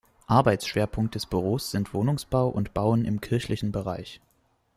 Arbeitsschwerpunkte des Büros sind Wohnungsbau und Bauen im kirchlichen Bereich.